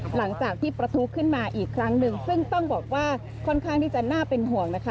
หลังจากที่ประทุขึ้นมาอีกครั้งหนึ่งซึ่งต้องบอกว่าค่อนข้างที่จะน่าเป็นห่วงนะคะ